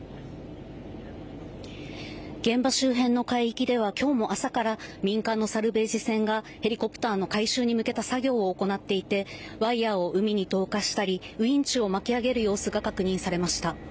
現場周辺の海域ではきょうも朝から、民間のサルベージ船が、ヘリコプターの回収に向けた作業を行っていて、ワイヤーを海に投下したり、ウィンチを巻き上げる様子が確認されました。